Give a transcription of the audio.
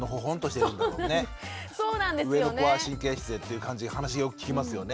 上の子は神経質でっていう話よく聞きますよね。